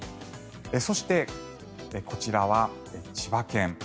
そして、こちらは千葉県。